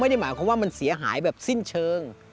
ไม่ได้หมายความว่ามันเสียหายแบบสิ้นเชิง